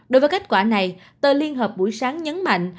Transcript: đối với kết quả này tờ liên hợp buổi sáng nhấn mạnh